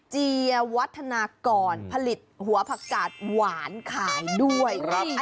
เจียวัฒนากรผลิตหัวผักกาดหวานขายด้วย